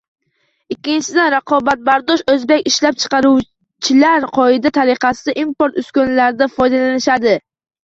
Ikkinchidan, raqobatbardosh o‘zbek ishlab chiqaruvchilari qoida tariqasida import uskunalardan foydalanishadi.